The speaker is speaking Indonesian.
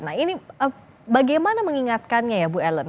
nah ini bagaimana mengingatkannya ya bu ellen